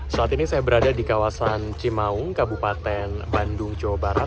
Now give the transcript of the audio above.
saat ini saya berada di kawasan cimaung kabupaten bandung jawa barat